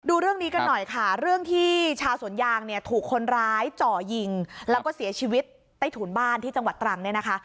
ดูเรื่องนี้กันหน่อยค่ะเรื่องที่ชาวสวนยางเนี่ยถูกคนร้ายจ่อยิงแล้วก็เสียชีวิตใต้ถุนบ้านที่จังหวัดตรังเนี่ยนะคะ